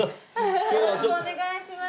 よろしくお願いします。